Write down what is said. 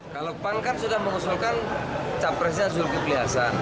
kalau pangkat sudah mengusulkan capresnya zulkifli hasan